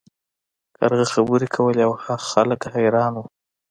کارغه خبرې کولې او خلک حیران وو.